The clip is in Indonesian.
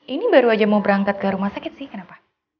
ini baru aja mau berangkat ke rumah sakit sih kenapa